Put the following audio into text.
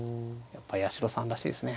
やっぱ八代さんらしいですね。